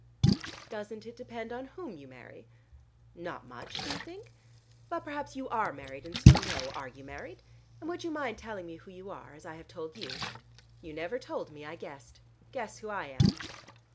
"Doesn't it depend upon whom you marry?" "Not much, do you think? But perhaps you are married, and so know. Are you married? And would you mind telling me who you are, as I have told you?" "You never told me: I guessed. Guess who I am."